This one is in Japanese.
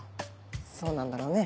そうなんだろうね。